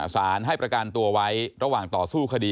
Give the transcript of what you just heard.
สารให้ประกันตัวไว้ระหว่างต่อสู้คดี